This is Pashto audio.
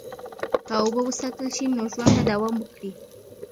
که اوبه وساتل شي، نو ژوند به دوام وکړي.